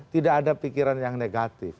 tidak ada pikiran yang negatif